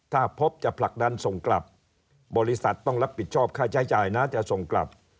ถ้าพบจะผลักดันส่งกลับบริษัทต้องรับผิดชอบค่าใช้จ่ายนะจะส่งกลับ